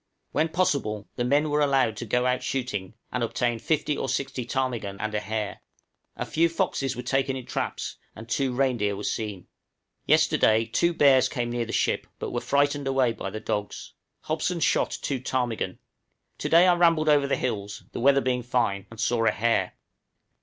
When possible the men were allowed to go out shooting, and obtain fifty or sixty ptarmigan and a hare; a few foxes were taken in traps, and two reindeer were seen. Yesterday two bears came near the ship, but were frightened away by the dogs. Hobson shot three ptarmigan. To day I rambled over the hills, the weather being fine, and saw a hare.